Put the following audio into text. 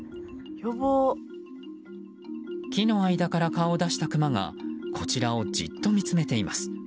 木の間から顔を出したクマがこちらをじっと見つめています。